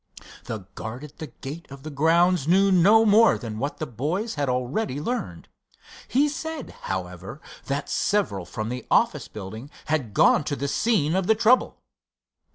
The guard at the gate of the grounds knew no more than what the boys had already learned. He said, however, that several from the office building had gone to the scene of the trouble.